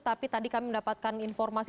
tapi tadi kami mendapatkan informasi